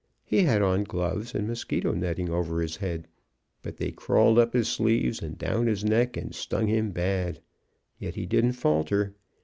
He had on gloves, and mosquito netting over his head. But they crawled up his sleeves and down his neck, and stung him bad. Yet he didn't falter.